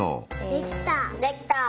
できた。